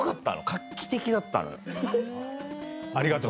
画期的だったの。